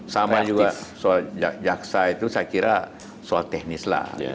sama juga soal jaksa itu saya kira soal teknis lah